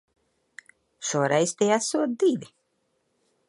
Šoreiz tie esot divi.